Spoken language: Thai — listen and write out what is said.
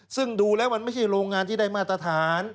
ซึ่งดูแล้วมันไม่ใช่โรงงานที่ได้มาตรฐาน